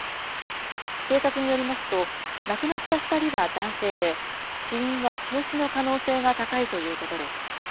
警察によりますと、亡くなった２人は男性で、死因は焼死の可能性が高いということです。